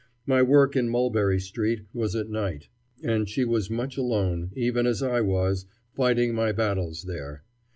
My work in Mulberry Street was at night, and she was much alone, even as I was, fighting my battles there.